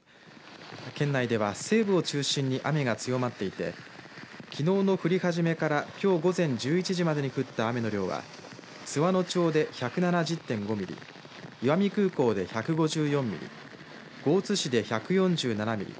県内では西部を中心に雨が強まっていてきのうの降り始めからきょう午前１１時までに降った雨の量は津和野町で１７０．５ミリ石見空港で１５４ミリ江津市で１４７ミリ